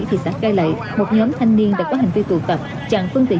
thị xã cai lậy một nhóm thanh niên đã có hành vi tụ tập chặn phương tiện